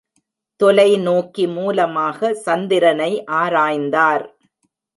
தொலை நோக்கி மூலமாக சந்திரனை ஆராய்ந்தார்!